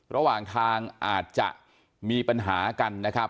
ระหว่างทางอาจจะมีปัญหากันนะครับ